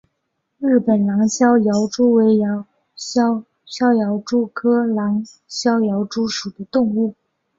日本狼逍遥蛛为逍遥蛛科狼逍遥蛛属的动物。